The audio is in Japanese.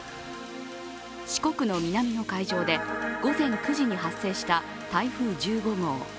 四国の南の海上で午前９時に発生した台風１５号。